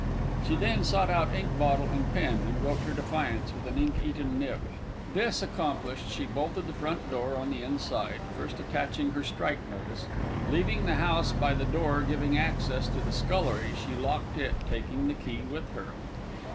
She then sought out ink bottle and pen, and wrote her defiance with an ink eaten nib. This accomplished, she bolted the front door on the inside, first attaching her strike notice. Leaving the house by the door giving access to the scullery, she locked it, taking the key with her.